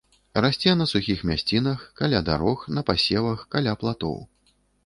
Расце на сухіх мясцінах, каля дарог, на пасевах, каля платоў.